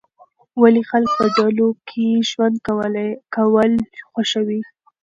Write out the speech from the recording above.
ولې خلک په ډلو کې ژوند کول خوښوي؟